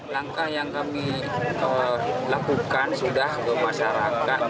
langkah yang kami lakukan sudah ke masyarakat